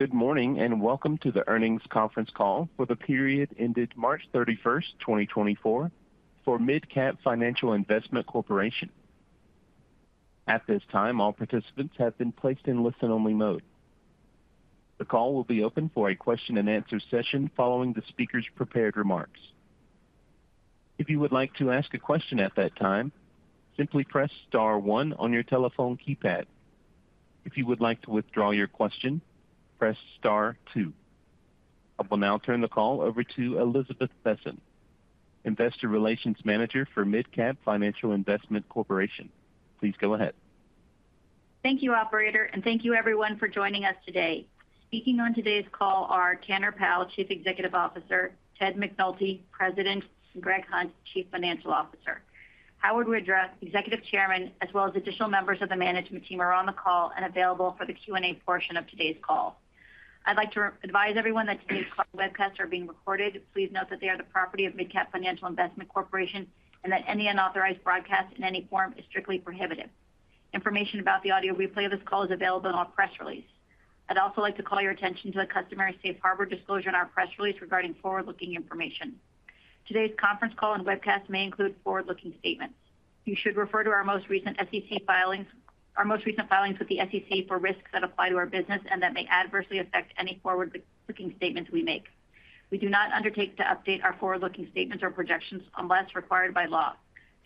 Good morning and welcome to the earnings conference call for the period ended March 31, 2024, for MidCap Financial Investment Corporation. At this time, all participants have been placed in listen-only mode. The call will be open for a question-and-answer session following the speaker's prepared remarks. If you would like to ask a question at that time, simply press star 1 on your telephone keypad. If you would like to withdraw your question, press star 2. I will now turn the call over to Elizabeth Besen, Investor Relations Manager for MidCap Financial Investment Corporation. Please go ahead. Thank you, operator, and thank you, everyone, for joining us today. Speaking on today's call are Tanner Powell, Chief Executive Officer; Ted McNulty, President; and Greg Hunt, Chief Financial Officer. Howard Widra, Executive Chairman, as well as additional members of the management team are on the call and available for the Q&A portion of today's call. I'd like to advise everyone that today's webcasts are being recorded. Please note that they are the property of MidCap Financial Investment Corporation and that any unauthorized broadcast in any form is strictly prohibited. Information about the audio replay of this call is available in our press release. I'd also like to call your attention to a customary safe harbor disclosure in our press release regarding forward-looking information. Today's conference call and webcast may include forward-looking statements. You should refer to our most recent SEC filings with the SEC for risks that apply to our business and that may adversely affect any forward-looking statements we make. We do not undertake to update our forward-looking statements or projections unless required by law.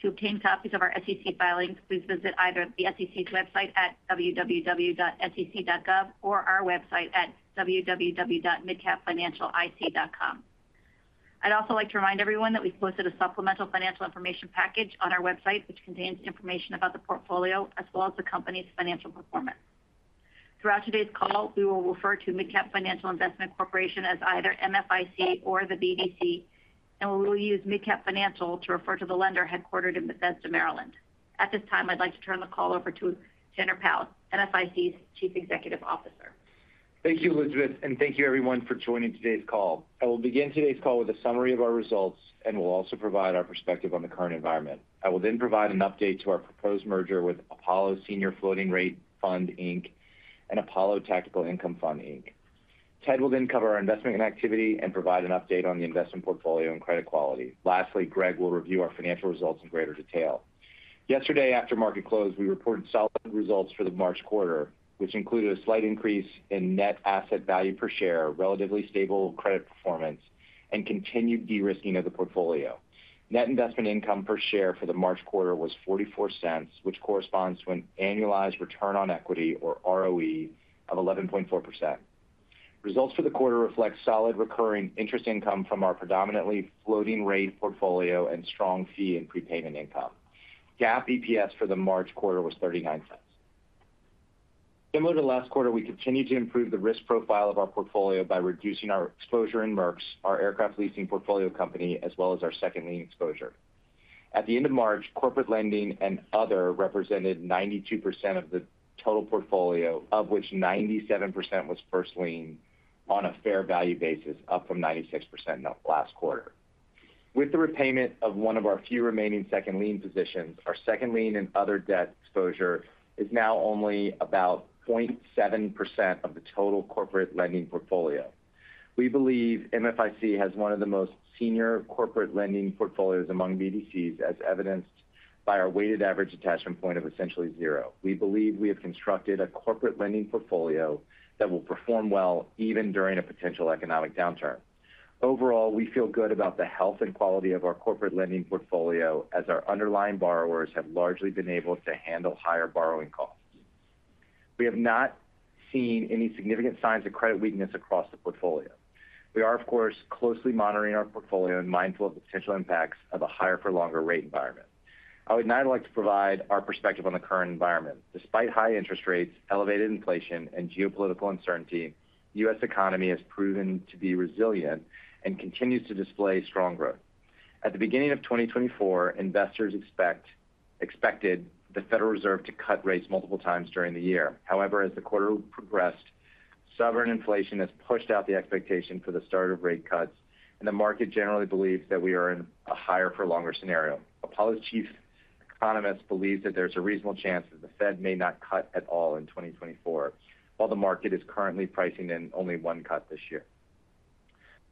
To obtain copies of our SEC filings, please visit either the SEC's website at www.sec.gov or our website at www.midcapfinancialic.com. I'd also like to remind everyone that we've posted a supplemental financial information package on our website which contains information about the portfolio as well as the company's financial performance. Throughout today's call, we will refer to MidCap Financial Investment Corporation as either MFIC or the BDC, and we will use MidCap Financial to refer to the lender headquartered in Bethesda, Maryland. At this time, I'd like to turn the call over to Tanner Powell, MFIC's Chief Executive Officer. Thank you, Elizabeth, and thank you, everyone, for joining today's call. I will begin today's call with a summary of our results and will also provide our perspective on the current environment. I will then provide an update to our proposed merger with Apollo Senior Floating Rate Fund, Inc., and Apollo Tactical Income Fund, Inc. Ted will then cover our investment activity and provide an update on the investment portfolio and credit quality. Lastly, Greg will review our financial results in greater detail. Yesterday, after market close, we reported solid results for the March quarter, which included a slight increase in net asset value per share, relatively stable credit performance, and continued de-risking of the portfolio. Net investment income per share for the March quarter was $0.44, which corresponds to an annualized return on equity, or ROE, of 11.4%. Results for the quarter reflect solid recurring interest income from our predominantly floating rate portfolio and strong fee and prepayment income. GAAP EPS for the March quarter was $0.39. Similar to last quarter, we continue to improve the risk profile of our portfolio by reducing our exposure in Merx, our aircraft leasing portfolio company, as well as our second lien exposure. At the end of March, corporate lending and other represented 92% of the total portfolio, of which 97% was first lien on a fair value basis, up from 96% in the last quarter. With the repayment of one of our few remaining second lien positions, our second lien and other debt exposure is now only about 0.7% of the total corporate lending portfolio. We believe MFIC has one of the most senior corporate lending portfolios among BDCs, as evidenced by our weighted average attachment point of essentially zero. We believe we have constructed a corporate lending portfolio that will perform well even during a potential economic downturn. Overall, we feel good about the health and quality of our corporate lending portfolio as our underlying borrowers have largely been able to handle higher borrowing costs. We have not seen any significant signs of credit weakness across the portfolio. We are, of course, closely monitoring our portfolio and mindful of the potential impacts of a higher-for-longer rate environment. I would now like to provide our perspective on the current environment. Despite high interest rates, elevated inflation, and geopolitical uncertainty, the U.S. economy has proven to be resilient and continues to display strong growth. At the beginning of 2024, investors expected the Federal Reserve to cut rates multiple times during the year. However, as the quarter progressed, soaring inflation has pushed out the expectation for the start of rate cuts, and the market generally believes that we are in a higher-for-longer scenario. Apollo's chief economist believes that there's a reasonable chance that the Fed may not cut at all in 2024, while the market is currently pricing in only one cut this year.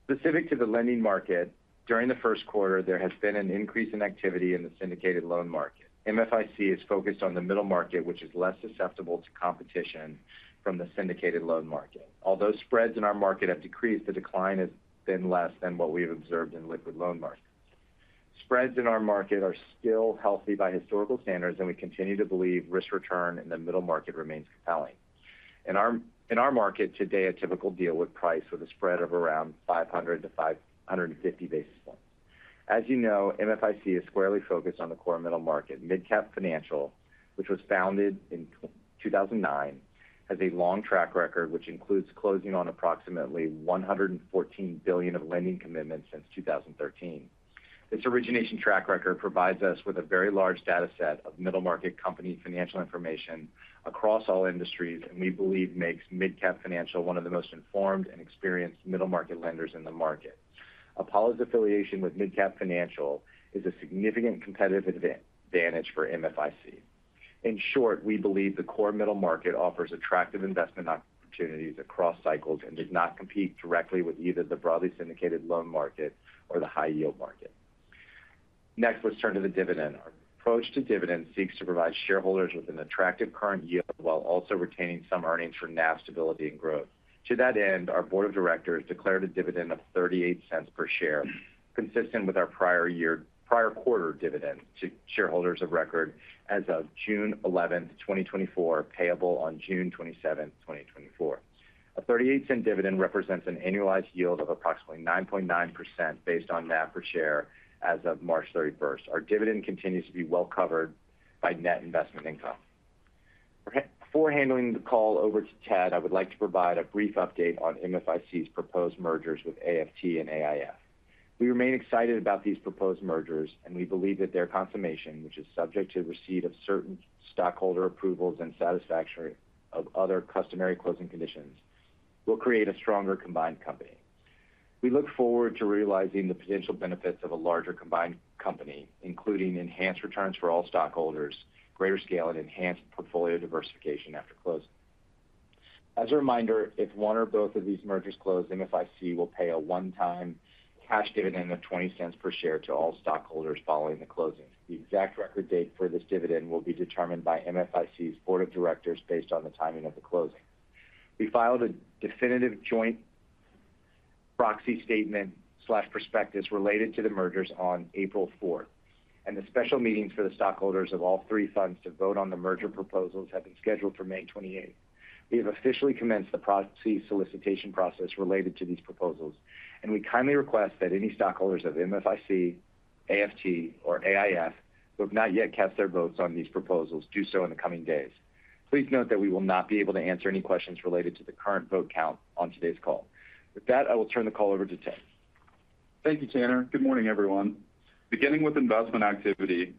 Specific to the lending market, during the first quarter, there has been an increase in activity in the syndicated loan market. MFIC is focused on the middle market, which is less susceptible to competition from the syndicated loan market. Although spreads in our market have decreased, the decline has been less than what we have observed in liquid loan markets. Spreads in our market are still healthy by historical standards, and we continue to believe risk-return in the middle market remains compelling. In our market today, a typical deal would price with a spread of around 500-550 basis points. As you know, MFIC is squarely focused on the core middle market. MidCap Financial, which was founded in 2009, has a long track record which includes closing on approximately $114 billion of lending commitments since 2013. This origination track record provides us with a very large dataset of middle market company financial information across all industries, and we believe makes MidCap Financial one of the most informed and experienced middle market lenders in the market. Apollo's affiliation with MidCap Financial is a significant competitive advantage for MFIC. In short, we believe the core middle market offers attractive investment opportunities across cycles and does not compete directly with either the broadly syndicated loan market or the high-yield market. Next, let's turn to the dividend. Our approach to dividends seeks to provide shareholders with an attractive current yield while also retaining some earnings for NAV stability and growth. To that end, our board of directors declared a dividend of $0.38 per share, consistent with our prior quarter dividend to shareholders of record as of June 11, 2024, payable on June 27, 2024. A $0.38 dividend represents an annualized yield of approximately 9.9% based on NAV per share as of March 31. Our dividend continues to be well covered by net investment income. Before handing the call over to Ted, I would like to provide a brief update on MFIC's proposed mergers with AFT and AIF. We remain excited about these proposed mergers, and we believe that their consummation, which is subject to receipt of certain stockholder approvals and satisfaction of other customary closing conditions, will create a stronger combined company. We look forward to realizing the potential benefits of a larger combined company, including enhanced returns for all stockholders, greater scale, and enhanced portfolio diversification after closing. As a reminder, if one or both of these mergers close, MFIC will pay a one-time cash dividend of $0.20 per share to all stockholders following the closing. The exact record date for this dividend will be determined by MFIC's board of directors based on the timing of the closing. We filed a definitive joint proxy statement/prospectus related to the mergers on April 4, and the special meetings for the stockholders of all three funds to vote on the merger proposals have been scheduled for May 28. We have officially commenced the proxy solicitation process related to these proposals, and we kindly request that any stockholders of MFIC, AFT, or AIF who have not yet cast their votes on these proposals do so in the coming days. Please note that we will not be able to answer any questions related to the current vote count on today's call. With that, I will turn the call over to Ted. Thank you, Tanner. Good morning, everyone. Beginning with investment activity,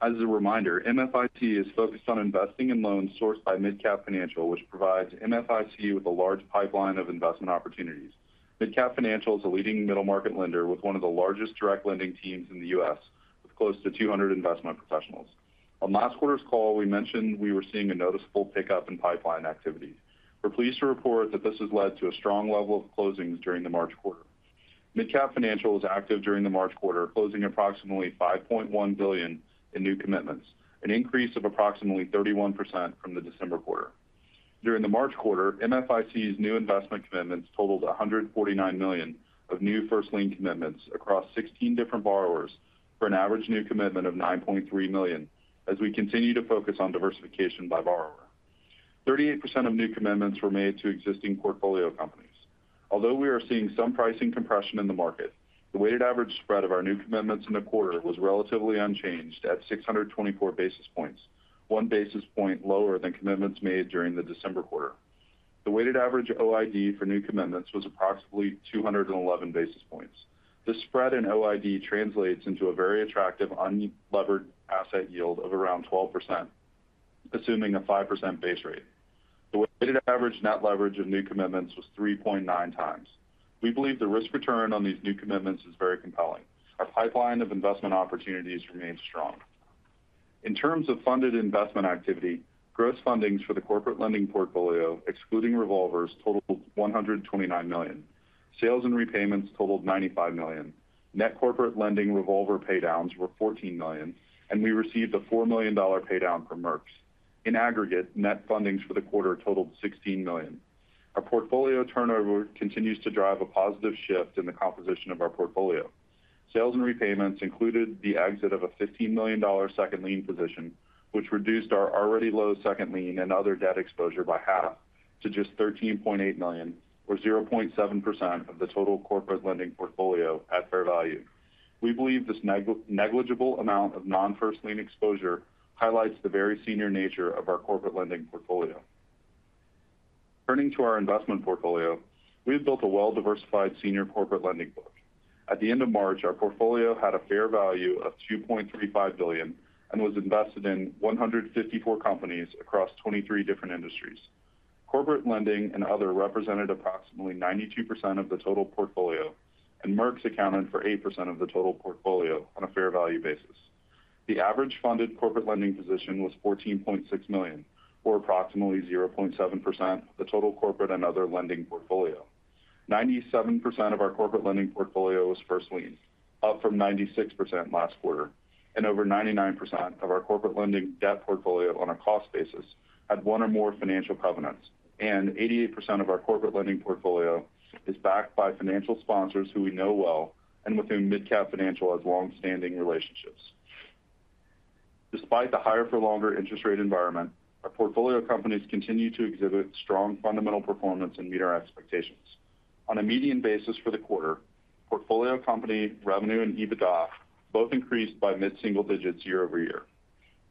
as a reminder, MFIC is focused on investing in loans sourced by MidCap Financial, which provides MFIC with a large pipeline of investment opportunities. MidCap Financial is a leading middle market lender with one of the largest direct lending teams in the U.S., with close to 200 investment professionals. On last quarter's call, we mentioned we were seeing a noticeable pickup in pipeline activity. We're pleased to report that this has led to a strong level of closings during the March quarter. MidCap Financial was active during the March quarter, closing approximately $5.1 billion in new commitments, an increase of approximately 31% from the December quarter. During the March quarter, MFIC's new investment commitments totaled $149 million of new first lien commitments across 16 different borrowers, for an average new commitment of $9.3 million, as we continue to focus on diversification by borrower. 38% of new commitments were made to existing portfolio companies. Although we are seeing some pricing compression in the market, the weighted average spread of our new commitments in the quarter was relatively unchanged at 624 basis points, one basis point lower than commitments made during the December quarter. The weighted average OID for new commitments was approximately 211 basis points. This spread in OID translates into a very attractive unlevered asset yield of around 12%, assuming a 5% base rate. The weighted average net leverage of new commitments was 3.9 times. We believe the risk return on these new commitments is very compelling. Our pipeline of investment opportunities remains strong. In terms of funded investment activity, gross fundings for the corporate lending portfolio, excluding revolvers, totaled $129 million. Sales and repayments totaled $95 million. Net corporate lending revolver paydowns were $14 million, and we received a $4 million paydown from Merx. In aggregate, net fundings for the quarter totaled $16 million. Our portfolio turnover continues to drive a positive shift in the composition of our portfolio. Sales and repayments included the exit of a $15 million second lien position, which reduced our already low second lien and other debt exposure by half to just $13.8 million, or 0.7% of the total corporate lending portfolio at fair value. We believe this negligible amount of non-first lien exposure highlights the very senior nature of our corporate lending portfolio. Turning to our investment portfolio, we have built a well-diversified senior corporate lending book. At the end of March, our portfolio had a fair value of $2.35 billion and was invested in 154 companies across 23 different industries. Corporate lending and other represented approximately 92% of the total portfolio, and Merx accounted for 8% of the total portfolio on a fair value basis. The average funded corporate lending position was $14.6 million, or approximately 0.7% of the total corporate and other lending portfolio. 97% of our corporate lending portfolio was first lien, up from 96% last quarter, and over 99% of our corporate lending debt portfolio on a cost basis had one or more financial covenants. 88% of our corporate lending portfolio is backed by financial sponsors who we know well and with whom MidCap Financial has longstanding relationships. Despite the higher-for-longer interest rate environment, our portfolio companies continue to exhibit strong fundamental performance and meet our expectations. On a median basis for the quarter, portfolio company revenue and EBITDA both increased by mid-single digits year-over-year.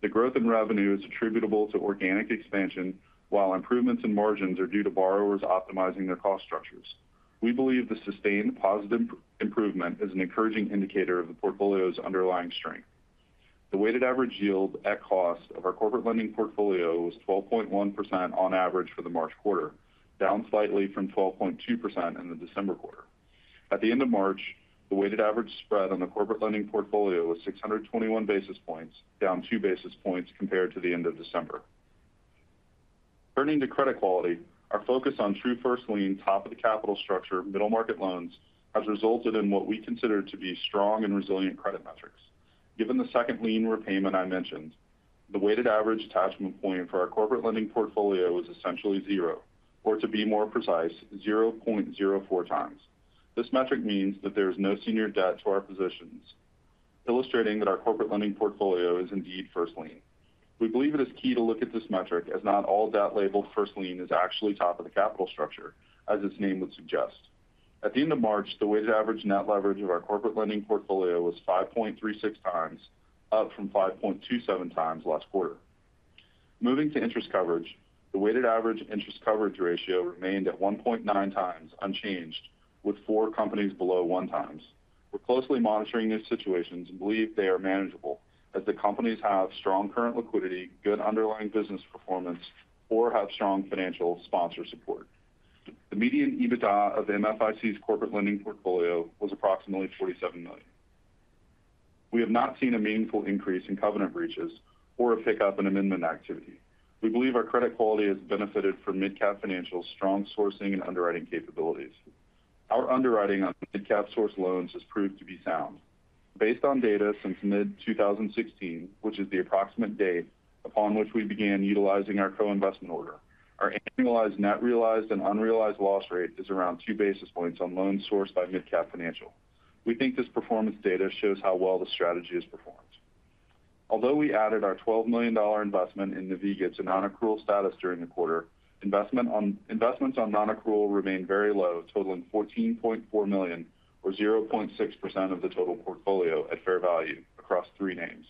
The growth in revenue is attributable to organic expansion, while improvements in margins are due to borrowers optimizing their cost structures. We believe the sustained positive improvement is an encouraging indicator of the portfolio's underlying strength. The weighted average yield at cost of our corporate lending portfolio was 12.1% on average for the March quarter, down slightly from 12.2% in the December quarter. At the end of March, the weighted average spread on the corporate lending portfolio was 621 basis points, down two basis points compared to the end of December. Turning to credit quality, our focus on true first lien, top-of-the-capital structure, middle market loans has resulted in what we consider to be strong and resilient credit metrics. Given the second lien repayment I mentioned, the weighted average attachment point for our corporate lending portfolio is essentially zero, or to be more precise, 0.04x. This metric means that there is no senior debt to our positions, illustrating that our corporate lending portfolio is indeed first lien. We believe it is key to look at this metric as not all debt-labeled first lien is actually top-of-the-capital structure, as its name would suggest. At the end of March, the weighted average net leverage of our corporate lending portfolio was 5.36x, up from 5.27x last quarter. Moving to interest coverage, the weighted average interest coverage ratio remained at 1.9x, unchanged, with four companies below 1x. We're closely monitoring these situations and believe they are manageable as the companies have strong current liquidity, good underlying business performance, or have strong financial sponsor support. The median EBITDA of MFIC's corporate lending portfolio was approximately $47 million. We have not seen a meaningful increase in covenant breaches or a pickup in amendment activity. We believe our credit quality has benefited from MidCap Financial's strong sourcing and underwriting capabilities. Our underwriting on MidCap-sourced loans has proved to be sound. Based on data since mid-2016, which is the approximate date upon which we began utilizing our co-investment order, our annualized net realized and unrealized loss rate is around two basis points on loans sourced by MidCap Financial. We think this performance data shows how well the strategy has performed. Although we added our $12 million investment in Naviga to non-accrual status during the quarter, investments on non-accrual remain very low, totaling $14.4 million, or 0.6% of the total portfolio at fair value across three names.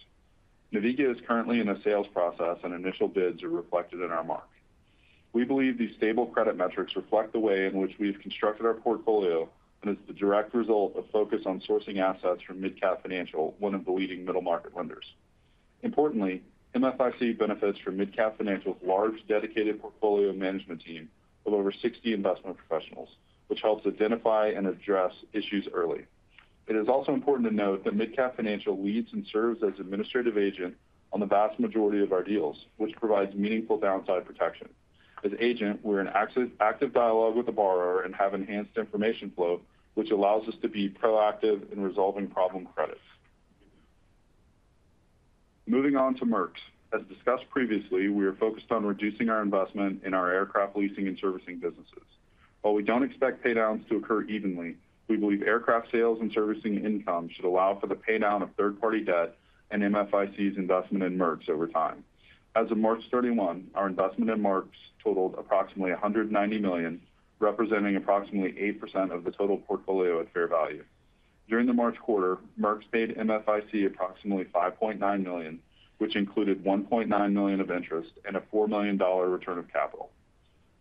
Naviga is currently in a sales process, and initial bids are reflected in our mark. We believe these stable credit metrics reflect the way in which we have constructed our portfolio and is the direct result of focus on sourcing assets from MidCap Financial, one of the leading middle market lenders. Importantly, MFIC benefits from MidCap Financial's large dedicated portfolio management team of over 60 investment professionals, which helps identify and address issues early. It is also important to note that MidCap Financial leads and serves as administrative agent on the vast majority of our deals, which provides meaningful downside protection. As agent, we're in active dialogue with the borrower and have enhanced information flow, which allows us to be proactive in resolving problem credits. Moving on to Merx. As discussed previously, we are focused on reducing our investment in our aircraft leasing and servicing businesses. While we don't expect paydowns to occur evenly, we believe aircraft sales and servicing income should allow for the paydown of third-party debt and MFIC's investment in Merx over time. As of March 31, our investment in Merx totaled approximately $190 million, representing approximately 8% of the total portfolio at fair value. During the March quarter, Merx paid MFIC approximately $5.9 million, which included $1.9 million of interest and a $4 million return of capital.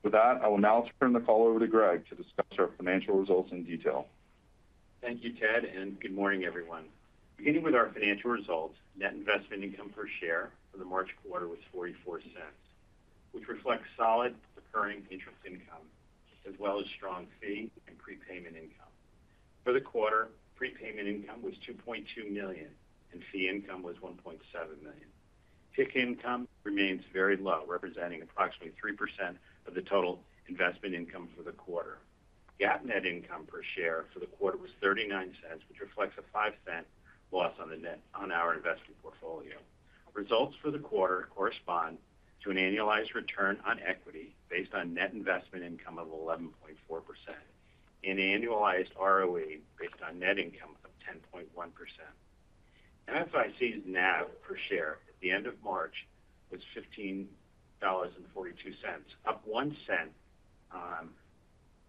With that, I will now turn the call over to Greg to discuss our financial results in detail. Thank you, Ted, and good morning, everyone. Beginning with our financial results, net investment income per share for the March quarter was $0.44, which reflects solid recurring interest income as well as strong fee and prepayment income. For the quarter, prepayment income was $2.2 million, and fee income was $1.7 million. PIK income remains very low, representing approximately 3% of the total investment income for the quarter. GAAP net income per share for the quarter was $0.39, which reflects a $0.05 loss on our investment portfolio. Results for the quarter correspond to an annualized return on equity based on net investment income of 11.4% and annualized ROE based on net income of 10.1%. MFIC's NAV per share at the end of March was $15.42, up 1 cent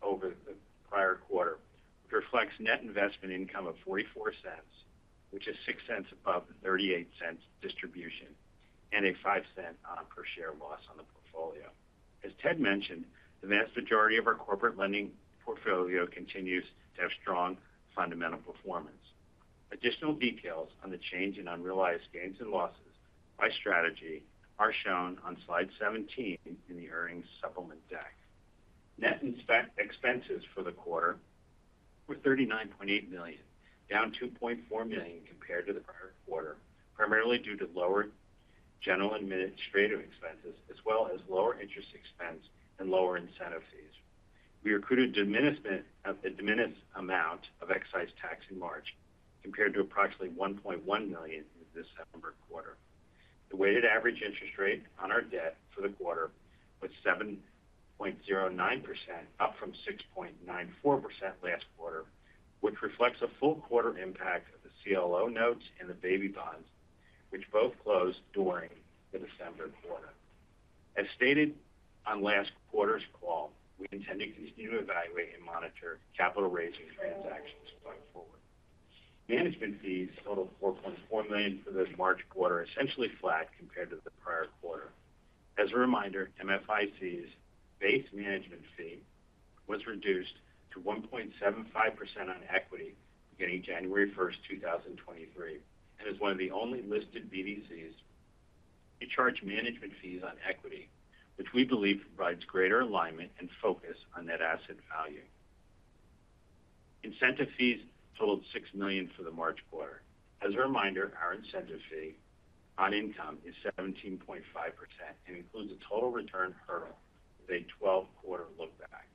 over the prior quarter, which reflects net investment income of $0.44, which is $0.06 above the $0.38 distribution, and a $0.05 per share loss on the portfolio. As Ted mentioned, the vast majority of our corporate lending portfolio continues to have strong fundamental performance. Additional details on the change in unrealized gains and losses by strategy are shown on slide 17 in the earnings supplement deck. Net expenses for the quarter were $39.8 million, down $2.4 million compared to the prior quarter, primarily due to lower general administrative expenses as well as lower interest expense and lower incentive fees. We incurred a diminished amount of excise tax in March compared to approximately $1.1 million in the December quarter. The weighted average interest rate on our debt for the quarter was 7.09%, up from 6.94% last quarter, which reflects a full quarter impact of the CLO notes and the baby bonds, which both closed during the December quarter. As stated on last quarter's call, we intend to continue to evaluate and monitor capital raising transactions going forward. Management fees totaled $4.4 million for the March quarter, essentially flat compared to the prior quarter. As a reminder, MFIC's base management fee was reduced to 1.75% on equity beginning January 1st, 2023, and is one of the only listed BDCs to charge management fees on equity, which we believe provides greater alignment and focus on net asset value. Incentive fees totaled $6 million for the March quarter. As a reminder, our incentive fee on income is 17.5% and includes a total return hurdle with a 12-quarter lookback.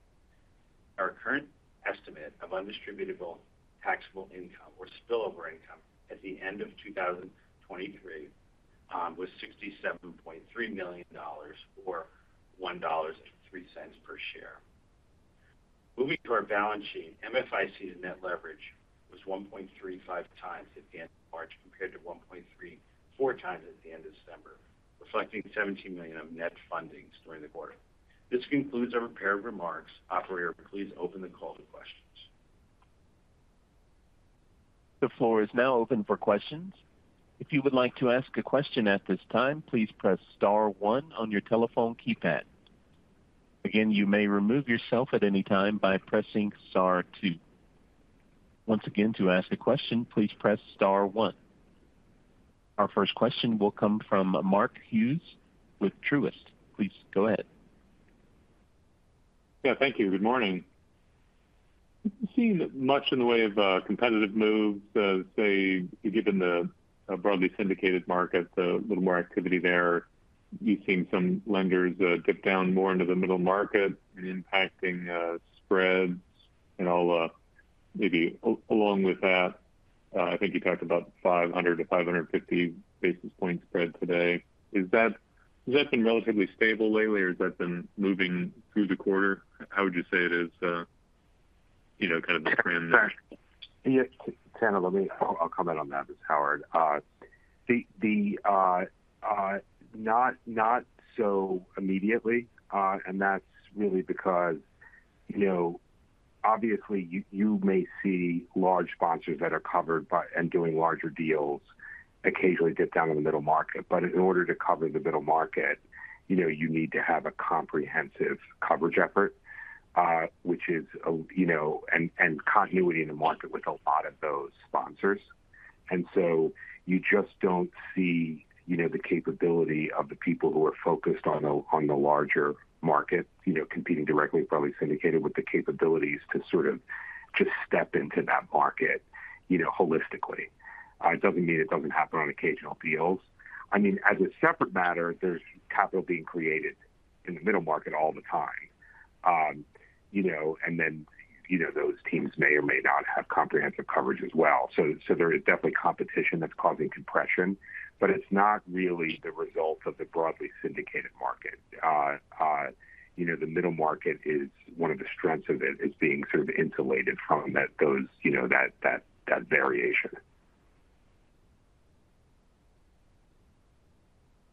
Our current estimate of undistributable taxable income or spillover income at the end of 2023 was $67.3 million, or $1.03 per share. Moving to our balance sheet, MFIC's net leverage was 1.35x at the end of March compared to 1.34x at the end of December, reflecting $17 million of net fundings during the quarter. This concludes our prepared remarks. Operator, please open the call to questions. The floor is now open for questions. If you would like to ask a question at this time, please press star one on your telephone keypad. Again, you may remove yourself at any time by pressing star two. Once again, to ask a question, please press star one. Our first question will come from Mark Hughes with Truist. Please go ahead. Yeah, thank you. Good morning. Seen much in the way of competitive moves. Say given the broadly syndicated market, a little more activity there, you've seen some lenders dip down more into the middle market and impacting spreads and all maybe along with that, I think you talked about 500-550 basis points spread today. Has that been relatively stable lately, or has that been moving through the quarter? How would you say it is kind of the trend there? Tanner, let me, I'll comment on that, This is Howard. Not so immediately, and that's really because, obviously, you may see large sponsors that are covered by and doing larger deals occasionally dip down in the middle market. But in order to cover the middle market, you need to have a comprehensive coverage effort, which is and continuity in the market with a lot of those sponsors. And so you just don't see the capability of the people who are focused on the larger market competing directly with broadly syndicated with the capabilities to sort of just step into that market holistically. It doesn't mean it doesn't happen on occasional deals. I mean, as a separate matter, there's capital being created in the middle market all the time, and then those teams may or may not have comprehensive coverage as well. There is definitely competition that's causing compression, but it's not really the result of the broadly syndicated market. The middle market is one of the strengths of it, being sort of insulated from those that variation.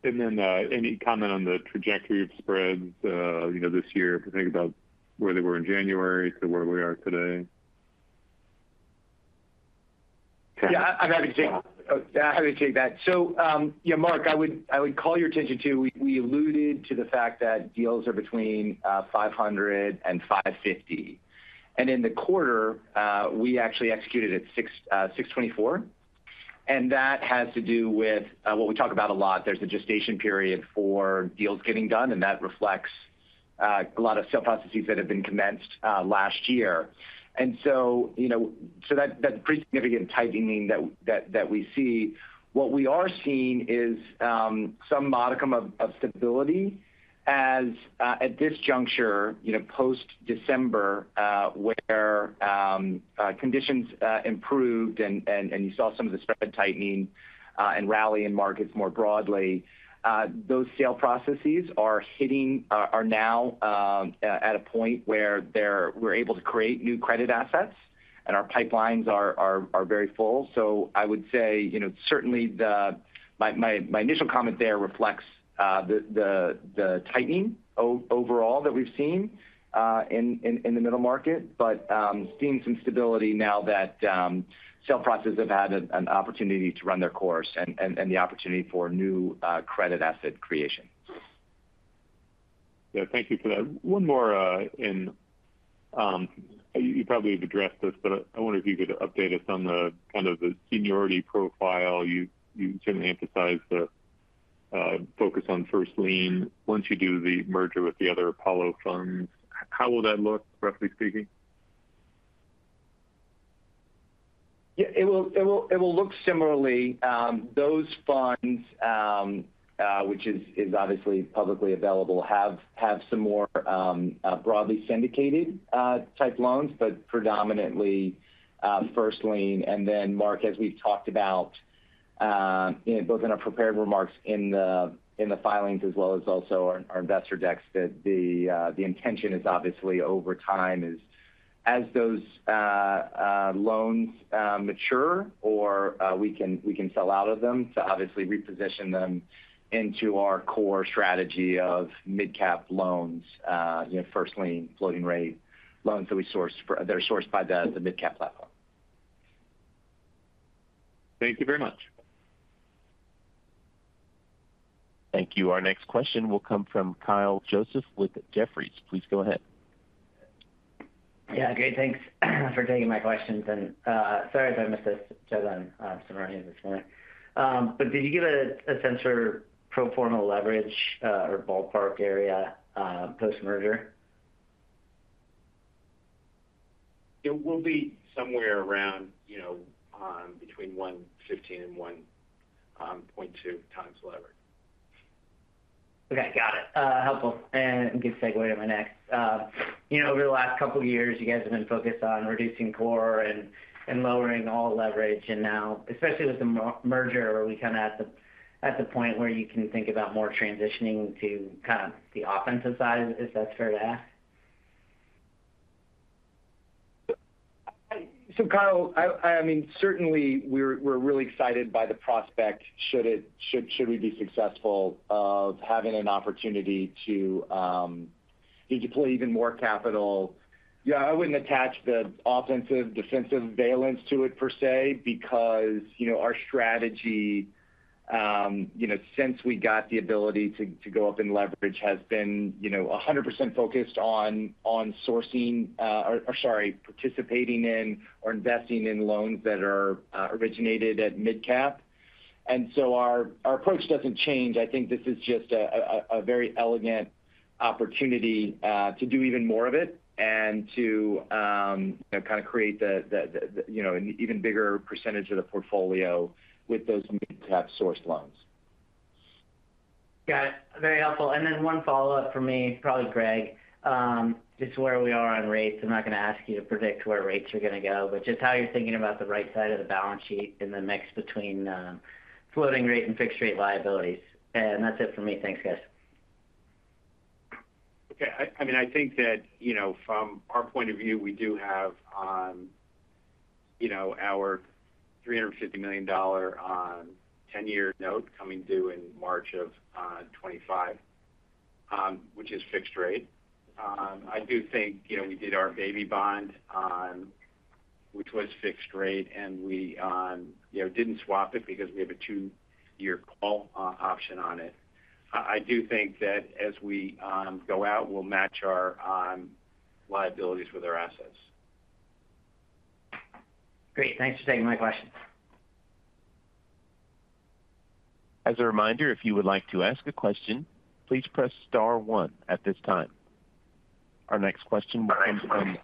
Any comment on the trajectory of spreads this year? If we think about where they were in January to where we are today. So yeah, Mark, I would call your attention to. We alluded to the fact that deals are between 500-550. And in the quarter, we actually executed at 624. And that has to do with what we talk about a lot. There's a gestation period for deals getting done, and that reflects a lot of sale processes that have been commenced last year. And so that's pretty significant tightening that we see. What we are seeing is some modicum of stability as at this juncture, post-December, where conditions improved and you saw some of the spread tightening and rally in markets more broadly. Those sale processes are hitting are now at a point where we're able to create new credit assets, and our pipelines are very full. I would say certainly, my initial comment there reflects the tightening overall that we've seen in the middle market, but seeing some stability now that sale processes have had an opportunity to run their course and the opportunity for new credit asset creation. Yeah, thank you for that. One more, and you probably have addressed this, but I wonder if you could update us on kind of the seniority profile. You certainly emphasized the focus on first lien. Once you do the merger with the other Apollo funds, how will that look, roughly speaking? Yeah, it will look similarly. Those funds, which is obviously publicly available, have some more broadly syndicated-type loans, but predominantly first lien. And then, Mark, as we've talked about both in our prepared remarks in the filings as well as also our investor decks, the intention is obviously, over time, as those loans mature or we can sell out of them to obviously reposition them into our core strategy of MidCap loans, first lien, floating rate loans that we source; they're sourced by the MidCap platform. Thank you very much. Thank you. Our next question will come from Kyle Joseph with Jefferies. Please go ahead. Yeah, great. Thanks for taking my questions. And sorry if I missed this, in your summary, this morning. But did you give a sense of pro forma leverage or ballpark area post-merger? It will be somewhere around between 1.15 and 1.2 times leverage. Okay, got it. Helpful. And good segue to my next. Over the last couple of years, you guys have been focused on reducing core and lowering all leverage. And now, especially with the merger, are we kind of at the point where you can think about more transitioning to kind of the offensive side, if that's fair to ask? So Kyle, I mean, certainly, we're really excited by the prospect, should we be successful, of having an opportunity to deploy even more capital. Yeah, I wouldn't attach the offensive-defensive valence to it per se because our strategy, since we got the ability to go up in leverage, has been 100% focused on sourcing or sorry, participating in or investing in loans that are originated at MidCap. And so our approach doesn't change. I think this is just a very elegant opportunity to do even more of it and to kind of create an even bigger percentage of the portfolio with those MidCap-sourced loans. Got it. Very helpful. And then one follow-up from me, probably Greg, just where we are on rates. I'm not going to ask you to predict where rates are going to go, but just how you're thinking about the right side of the balance sheet in the mix between floating rate and fixed-rate liabilities. And that's it for me. Thanks, guys. Okay. I mean, I think that from our point of view, we do have our $350 million 10-year note coming due in March of 2025, which is fixed rate. I do think we did our baby bond, which was fixed rate, and we didn't swap it because we have a 2-year call option on it. I do think that as we go out, we'll match our liabilities with our assets. Great. Thanks for taking my questions. As a reminder, if you would like to ask a question, please press star one at this time. Our next question will come from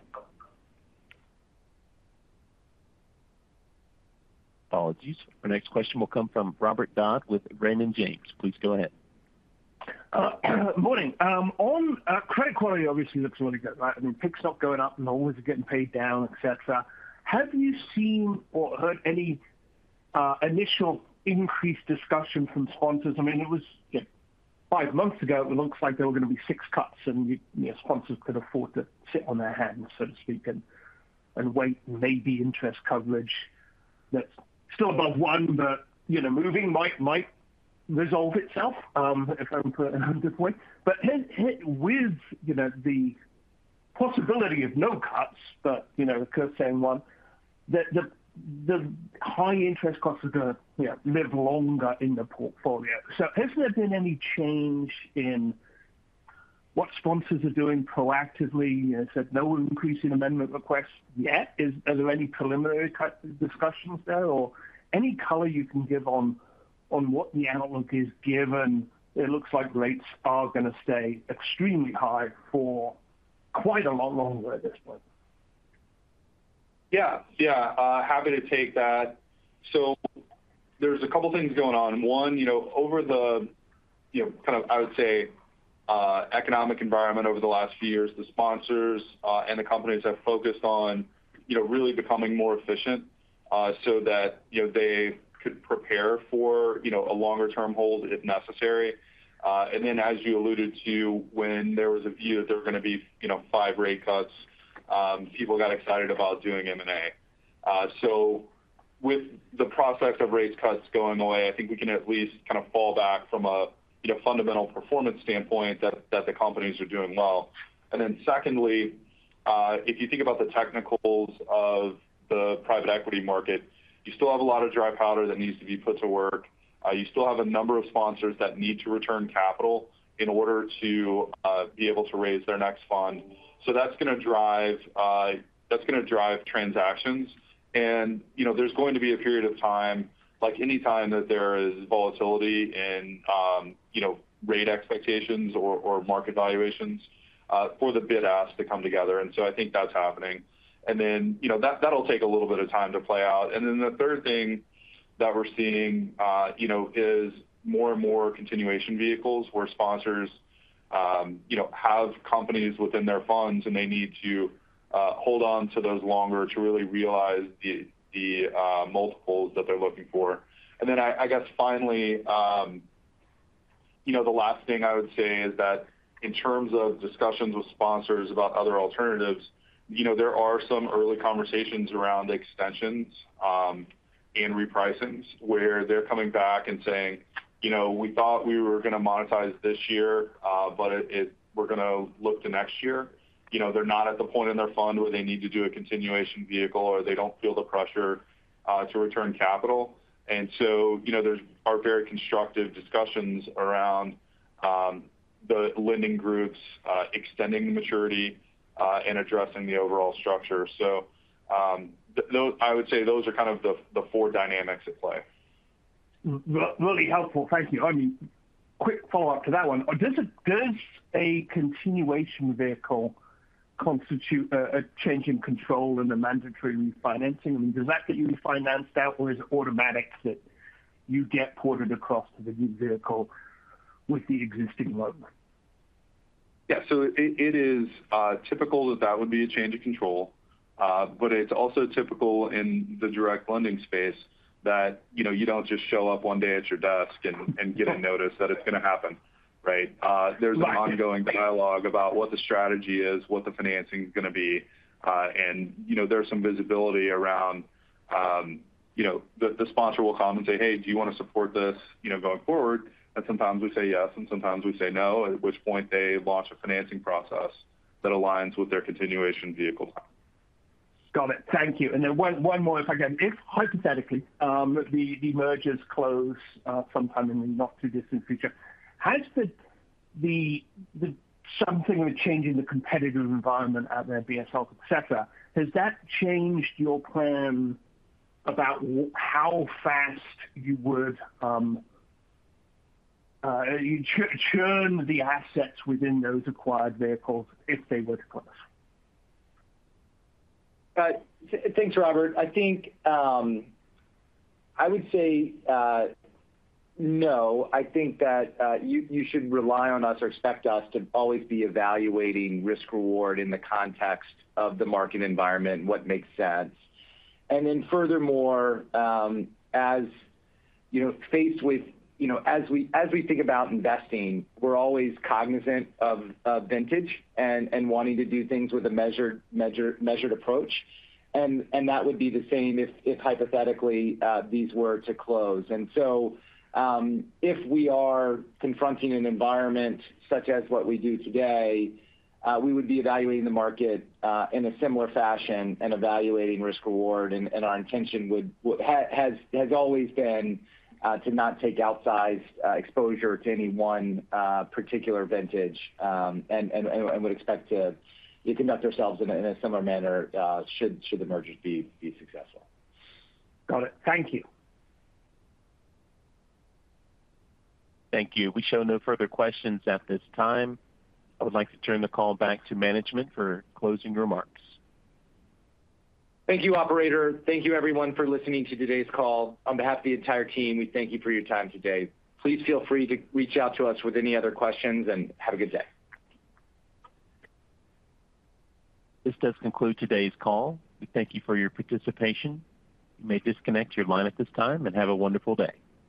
apologies. Our next question will come from Robert Dodd with Raymond James. Please go ahead. Good morning. On credit quality, it obviously looks really good, right? I mean, PIKs not going up and all is getting paid down, etc. Have you seen or heard any initial increased discussion from sponsors? I mean, it was five months ago. It looks like there were going to be six cuts, and sponsors could afford to sit on their hands, so to speak, and wait and maybe interest coverage that's still above one but moving might resolve itself if I'm put in a hundredth way. But with the possibility of no cuts, but of course, seeing one, the high interest costs are going to live longer in the portfolio. So has there been any change in what sponsors are doing proactively? You said no increase in amendment requests yet. Are there any preliminary discussions there or any color you can give on what the outlook is given? It looks like rates are going to stay extremely high for quite a lot longer at this point. Yeah, yeah. Happy to take that. So there's a couple of things going on. One, over the kind of, I would say, economic environment over the last few years, the sponsors and the companies have focused on really becoming more efficient so that they could prepare for a longer-term hold if necessary. And then, as you alluded to, when there was a view that there were going to be 5 rate cuts, people got excited about doing M&A. So with the prospect of rate cuts going away, I think we can at least kind of fall back from a fundamental performance standpoint that the companies are doing well. And then secondly, if you think about the technicals of the private equity market, you still have a lot of dry powder that needs to be put to work. You still have a number of sponsors that need to return capital in order to be able to raise their next fund. So that's going to drive transactions. And there's going to be a period of time, like any time that there is volatility in rate expectations or market valuations, for the bid-ask to come together. And so I think that's happening. And then that'll take a little bit of time to play out. And then the third thing that we're seeing is more and more continuation vehicles where sponsors have companies within their funds, and they need to hold on to those longer to really realize the multiples that they're looking for. And then I guess, finally, the last thing I would say is that in terms of discussions with sponsors about other alternatives, there are some early conversations around extensions and repricings where they're coming back and saying, "We thought we were going to monetize this year, but we're going to look to next year." They're not at the point in their fund where they need to do a continuation vehicle or they don't feel the pressure to return capital. And so there are very constructive discussions around the lending groups extending the maturity and addressing the overall structure. So I would say those are kind of the four dynamics at play. Really helpful. Thank you. I mean, quick follow-up to that one. Does a continuation vehicle constitute a change in control in the mandatory refinancing? I mean, does that get you refinanced out, or is it automatic that you get ported across to the new vehicle with the existing loan? Yeah. So it is typical that that would be a change of control. But it's also typical in the direct lending space that you don't just show up one day at your desk and get a notice that it's going to happen, right? There's an ongoing dialogue about what the strategy is, what the financing is going to be. And there's some visibility around the sponsor will come and say, "Hey, do you want to support this going forward?" And sometimes we say yes, and sometimes we say no, at which point they launch a financing process that aligns with their continuation vehicle time. Got it. Thank you. And then one more, if I can. If hypothetically, the mergers close sometime in the not-too-distant future, has there been something of a change in the competitive environment at their BSL, etc., has that changed your plan about how fast you would churn the assets within those acquired vehicles if they were to close? Thanks, Robert. I would say no. I think that you should rely on us or expect us to always be evaluating risk-reward in the context of the market environment, what makes sense. And then furthermore, as faced with as we think about investing, we're always cognizant of vintage and wanting to do things with a measured approach. And that would be the same if hypothetically, these were to close. And so if we are confronting an environment such as what we do today, we would be evaluating the market in a similar fashion and evaluating risk-reward. And our intention has always been to not take outsized exposure to any one particular vintage and would expect to conduct ourselves in a similar manner should the mergers be successful. Got it. Thank you. Thank you. We show no further questions at this time. I would like to turn the call back to management for closing remarks. Thank you, operator. Thank you, everyone, for listening to today's call. On behalf of the entire team, we thank you for your time today. Please feel free to reach out to us with any other questions, and have a good day. This does conclude today's call. We thank you for your participation. You may disconnect your line at this time and have a wonderful day.